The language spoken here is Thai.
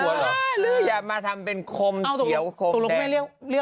อ้าหรือยามาทำเป็นโคมเดี๋ยวโคมแด้